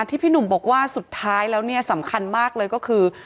พี่หนุ่มบอกว่าสุดท้ายแล้วเนี่ยสำคัญมากเลยก็คือ